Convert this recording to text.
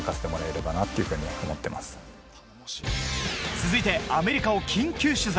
続いてアメリカを緊急取材。